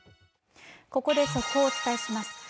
ここで速報をお伝えします。